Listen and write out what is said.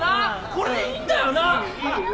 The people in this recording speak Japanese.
これでいいんだよな！